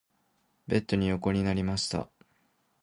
ベッドに横になりました。